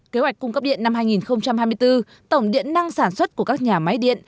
kế hoạch cung cấp điện năm hai nghìn hai mươi bốn tổng điện năng sản xuất của các nhà máy điện